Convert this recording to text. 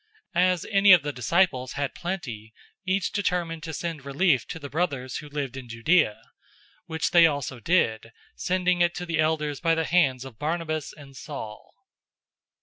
011:029 As any of the disciples had plenty, each determined to send relief to the brothers who lived in Judea; 011:030 which they also did, sending it to the elders by the hands of Barnabas and Saul.